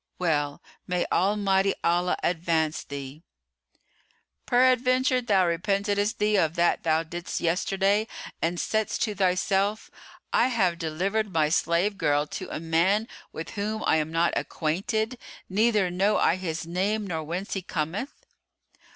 "Well, may Almighty Allah advance thee!" "Peradventure thou repentedest thee of that thou didst yesterday and saidst to thyself: I have delivered my slave girl to a man with who I am not acquainted, neither know I his name nor whence he cometh?"